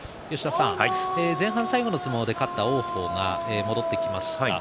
前半最後の相撲で勝った王鵬が戻ってきました。